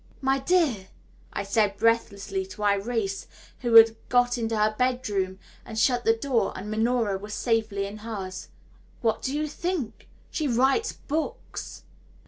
"My dear," I said breathlessly to Irais, when I had got into her room and shut the door and Minora was safely in hers, "what do you think she writes books!"